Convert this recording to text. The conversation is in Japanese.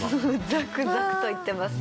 ザクザクといってますね。